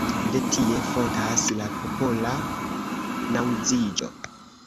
De tie fontas la popola naŭziĝo.